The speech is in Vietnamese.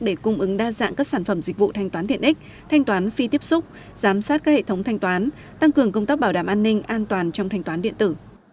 để cung ứng đa dạng các sản phẩm dịch vụ thanh toán tiện ích thanh toán phi tiếp xúc giám sát các hệ thống thanh toán tăng cường công tác bảo đảm an ninh an toàn trong thanh toán điện tử